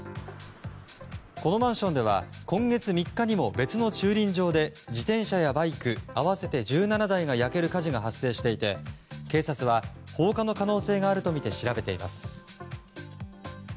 このマンションでは今月３日にも別の駐輪場で自転車やバイク合わせて１７台が焼ける火事が発生していて警察は放火の可能性があるとみて調べています。